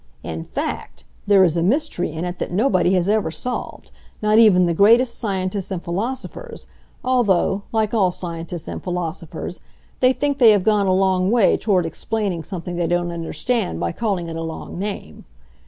In fact, there is a mystery in it that nobody has ever solved, not even the greatest scientists and philosophers, although, like all scientists and philosophers, they think they have gone a long way toward explaining something they don't understand by calling it a long name.